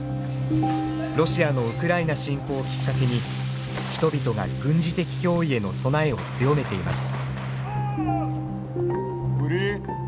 ロシアのウクライナ侵攻をきっかけに人々が軍事的脅威への備えを強めています。